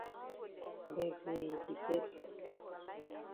Beg wey yi di beg.